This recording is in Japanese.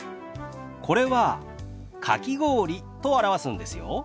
これは「かき氷」と表すんですよ。